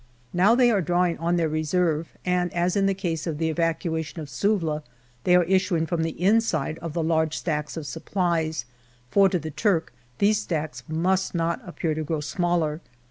Now they are drawing on their reserve, and, as in the case of the evacuation of Suvla, they are issuing from the inside of the large stacks of supplies, for to the Turk these stacks must not appear to grow smaller.